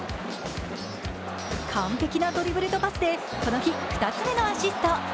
完璧なドリブルとパスでこの日２つ目のアシスト。